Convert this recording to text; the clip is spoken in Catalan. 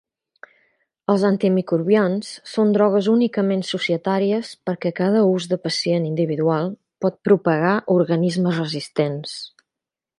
Els antimicrobians són drogues únicament societàries perquè cada ús de pacient individual pot propagar organismes resistents.